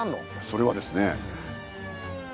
それはですね。